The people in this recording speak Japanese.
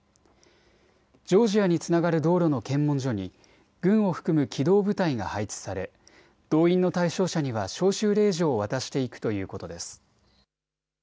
ジョージアにつながる道路の検問所に軍を含む機動部隊が配置され動員の対象者には招集令状を渡していくということです。